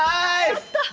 やった！